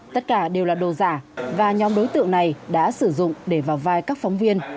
tất cả đều là đồ giả và nhóm đối tượng này đã sử dụng để vào vai các phóng viên